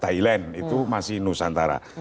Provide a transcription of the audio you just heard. thailand itu masih nusantara